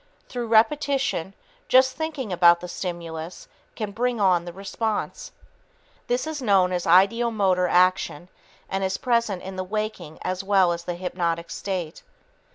Through repetition, just thinking about the stimulus can bring on the response. This is known as ideomotor action and is present in the waking as well as the hypnotic state.